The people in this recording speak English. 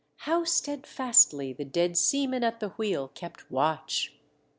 How steadfastly the dead seaman at the wheel kept watch